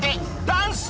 ダンス！